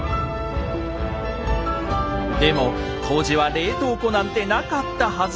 でも当時は冷凍庫なんてなかったはず。